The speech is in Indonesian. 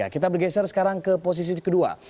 dan saat ini kita bergeser sekarang ke posisi kedua